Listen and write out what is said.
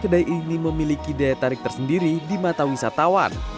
kedai ini memiliki daya tarik tersendiri di mata wisatawan